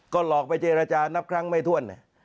ก็หลอกไปเจรจานับครั้งไม่ถ้วน